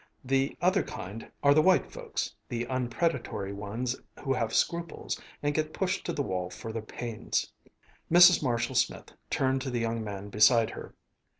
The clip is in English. The other kind are the white folks, the unpredatory ones who have scruples, and get pushed to the wall for their pains." Mrs. Marshall Smith turned to the young man beside her.